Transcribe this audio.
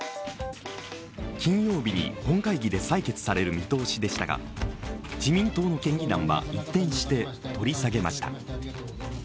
金曜日に本会議で採決される見通しでしたが自民党の県議団は一転して取り下げました。